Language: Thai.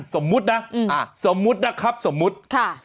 สมมุตินะสมมุตินะครับสมมุติค่ะ